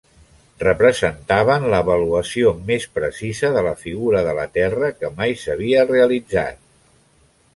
Representaven l'avaluació més precisa de la figura de la terra que mai s'havien realitzat.